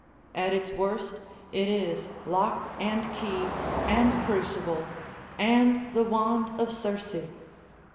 At its worst it is lock and key and crucible, and the wand of Circe.